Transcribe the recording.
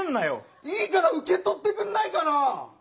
いいから受け取ってくんないかな！